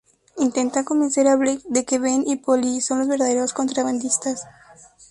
Intentan convencer a Blake de que Ben y Polly son los verdaderos contrabandistas.